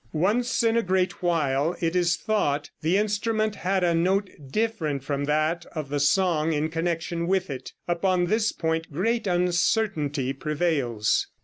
Once in a great while, it is thought, the instrument had a note different from that of the song in connection with it. Upon this point great uncertainty prevails.